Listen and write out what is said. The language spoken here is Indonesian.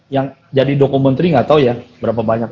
yang jadi dokumenternya gak tau ya berapa banyak